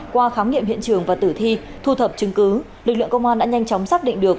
qua khám nghiệm hiện trường và tử thi thu thập chứng cứ lực lượng công an đã nhanh chóng xác định được